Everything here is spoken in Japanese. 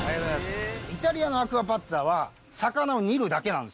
イタリアのアクアパッツァは魚を煮るだけなんですよ。